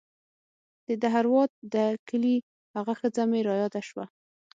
د دهروات د کلي هغه ښځه مې راياده سوه.